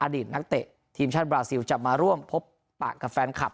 อดีตนักเตะทีมชาติบราซิลจะมาร่วมพบปะกับแฟนคลับ